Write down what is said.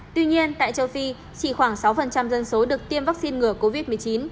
tuy nhiên tại châu phi chỉ khoảng sáu dân số được tiêm vaccine ngừa covid một mươi chín